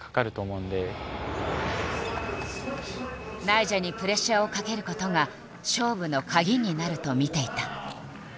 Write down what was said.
ナイジャにプレッシャーをかけることが勝負のカギになると見ていた。